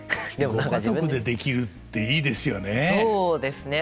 ご家族でできるっていいですよね。